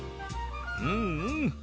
うんうん！